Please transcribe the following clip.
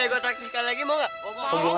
eh gue traktifkan lagi mau gak